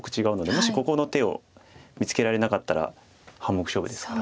もしここの手を見つけられなかったら半目勝負でしたから。